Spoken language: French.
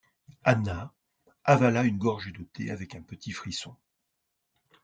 Anna avala une gorgée de thé avec un petit frisson.